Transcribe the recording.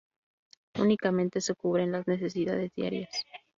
Únicamente se cubren las necesidades diarias.